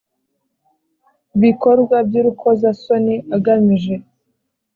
bikorwa by urukozasoni agamije